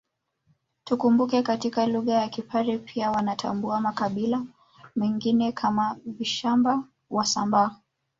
Tukumbuke katika lugha ya Kipare pia wanatambua makabila mengine kama Vashamba Wasambaa